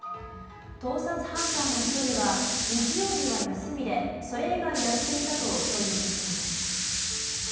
盗撮ハンターの１人は日曜日は休みでそれ以外やっていたと供述しています。